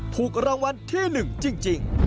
ถูกรางวัลที่๑จริง